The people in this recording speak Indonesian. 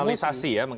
ya mengkanalisasi ya